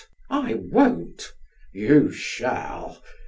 " I won't !"" You shall